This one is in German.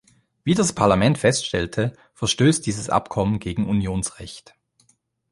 Wie das Parlament feststellte, verstößt dieses Abkommen gegen Unionsrecht.